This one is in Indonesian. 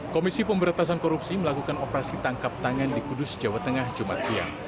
komisi pemberantasan korupsi melakukan operasi tangkap tangan di kudus jawa tengah jumat siang